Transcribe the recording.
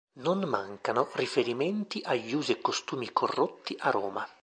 Non mancano riferimenti agli usi e costumi corrotti a Roma.